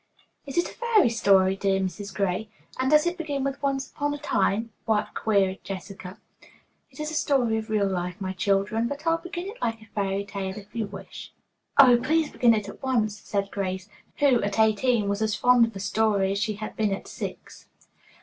"Is it a fairy story, dear Mrs. Gray, and does it begin with 'Once upon a time'?" queried Jessica. "It is a story of real life, my child, but I'll begin it like a fairy tale if you wish it." "Oh, please begin at once," said Grace, who, at eighteen, was as fond of a story as she had been at six.